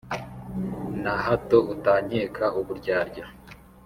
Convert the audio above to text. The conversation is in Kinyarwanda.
Na hato utankeka uburyarya